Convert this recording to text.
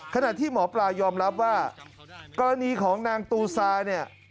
ขณะที่หมอปลายอมรับว่ากรณีของนางตูซาเนี่ย